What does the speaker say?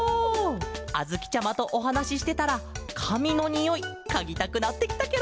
あづきちゃまとおはなししてたらかみのにおいかぎたくなってきたケロ！